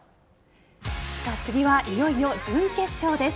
次は、いよいよ準決勝です。